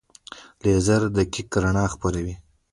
لیزر دقیقه رڼا خپروي.